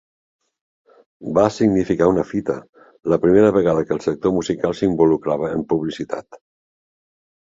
Va significar una fita: la primera vegada que el sector musical s'involucrava en publicitat.